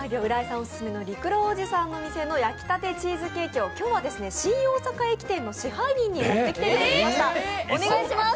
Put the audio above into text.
りくろーおじさんの店の焼きたてチーズケーキを今日は、新大阪店の支配人に持ってきていただきました。